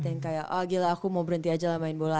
yang kayak oh gila aku mau berhenti aja lah main bola